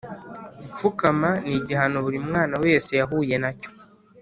gupfukama ni igihano buri mwana wese yahuye na cyo.